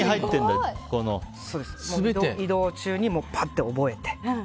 移動中に、ぱっと覚えて。